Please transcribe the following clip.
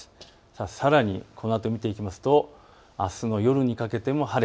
さらにこのあと見ていきますとあすの夜にかけても晴れ。